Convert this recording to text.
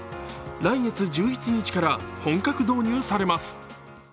来月１１日から本格導入されます。